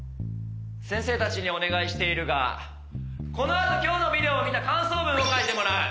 先生たちにお願いしているがこのあと今日のビデオを見た感想文を書いてもらう。